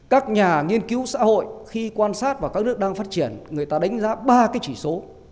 các nhà nghiên cứu xã hội khi quan sát vào các nước đang phát triển người ta đánh giá ba cái chỉ số